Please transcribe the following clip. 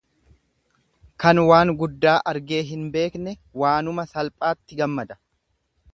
Kan waan guddaa argee hin beekne waanuma salphaatti gammada.